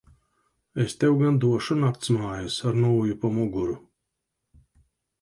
Es tev gan došu naktsmājas ar nūju pa muguru.